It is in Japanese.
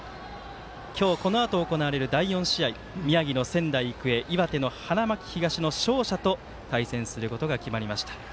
今日、このあと行われる第４試合宮城の仙台育英岩手の花巻東の勝者と対戦することが決まりました。